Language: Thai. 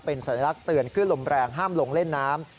เป็นสัญลักษณ์เตือนขึ้นลมแรงห้ามลงเล่นน้ำ